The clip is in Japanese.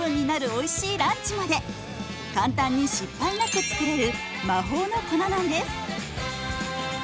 おいしいランチまで簡単に失敗なく作れる魔法の粉なんです。